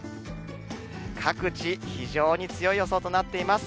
各地、非常に強い予想となっています。